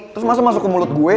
terus masa masuk ke mulut gue